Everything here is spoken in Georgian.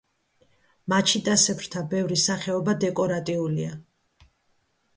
მაჩიტასებრთა ბევრი სახეობა დეკორატიულია.